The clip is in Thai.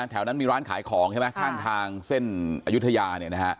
แถวนั้นมีร้านขายของใช่ไหมข้างทางเส้นอายุทยา